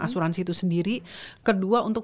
asuransi itu sendiri kedua untuk